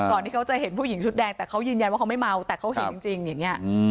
ที่เขาจะเห็นผู้หญิงชุดแดงแต่เขายืนยันว่าเขาไม่เมาแต่เขาเห็นจริงอย่างนี้